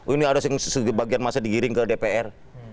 ini ada sebagian masa digiring ke dpr